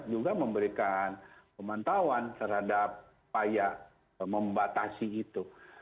juga memberikan pemantauan terhadap upaya membatasi itu